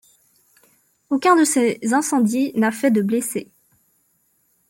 Aucun de ces incendies n'a fait de blessés.